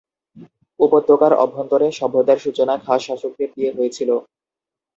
উপত্যকার অভ্যন্তরে সভ্যতার সূচনা খাস শাসকদের দিয়ে হয়েছিল।